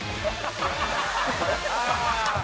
「ああ」